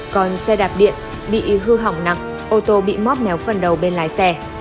còn xe đạp điện bị hư hỏng nặng ô tô bị móp mèo phần đầu bên lái xe